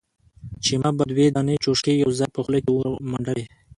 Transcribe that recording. چې ما به دوې دانې چوشکې يوځايي په خوله کښې ورمنډلې.